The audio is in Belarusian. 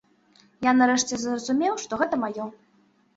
Я нарэшце зразумеў, што гэта маё.